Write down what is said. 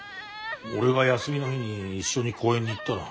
俺が休みの日に一緒に公園に行ったら。